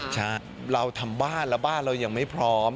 ใช่เราทำบ้านแล้วบ้านเรายังไม่พร้อม